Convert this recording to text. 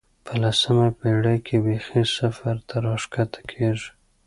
په لسمه پېړۍ کې بېخي صفر ته راښکته کېږي.